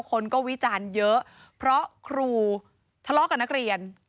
คนก็วิจารณ์เยอะเพราะครูทะเลาะกับนักเรียน